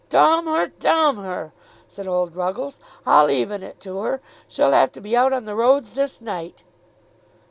"Domm her; domm her," said old Ruggles. "I'll even it to her. She'll have to be out on the roads this night."